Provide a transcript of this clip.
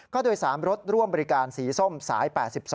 ก็โดย๓รถร่วมบริการสีส้มสาย๘๒